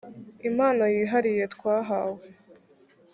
impano yihariye twahawe